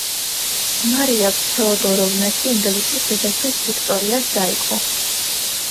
მარია ფეოდოროვნა კი ინგლისის დედოფლის ვიქტორიას და იყო.